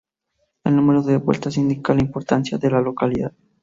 El número de vueltas indica la importancia de la localidad.